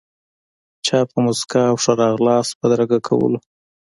چا په موسکا او ښه راغلاست بدرګه کولو.